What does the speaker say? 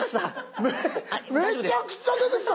めちゃくちゃ出てきた！